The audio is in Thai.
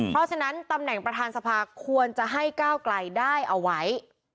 เพราะฉะนั้นตำแหน่งประธานสภาควรจะให้ก้าวไกลได้เอาไว้